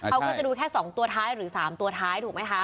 เขาก็จะดูแค่๒ตัวท้ายหรือ๓ตัวท้ายถูกไหมคะ